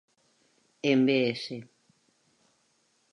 En Bs.